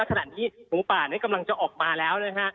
ขณะนี้หมูป่ากำลังจะออกมาแล้วนะฮะ